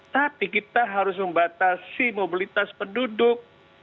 tapi kita harus membatasi mobilitas penduduk